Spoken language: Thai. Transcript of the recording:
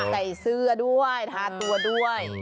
ใส่เสื้อด้วยทาตัวด้วย